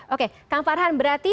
oke kang farhan berarti